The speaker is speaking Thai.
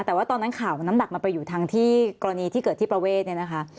แต่ว่าตอนนั้นข่าวน้ำหนักมันไปอยู่ทางที่กรณีที่เกิดที่ประเวทเนี่ยนะคะ